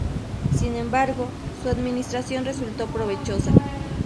Sin embargo, su administración resultó provechosa.